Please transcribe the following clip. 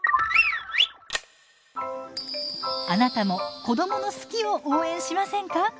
あなたも子どもの「好き」を応援しませんか？